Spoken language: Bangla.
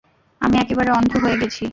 আমি একেবারে অন্ধ হয়ে গেছি!